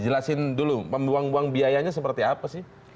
jelasin dulu membuang buang biayanya seperti apa sih